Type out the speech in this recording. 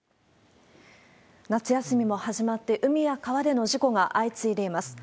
夏休みも始まって、海や川での事故が相次いでいます。